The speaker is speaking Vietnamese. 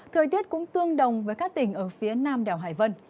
thời tiết cũng tương đồng với các tỉnh ở phía nam đảo hải vân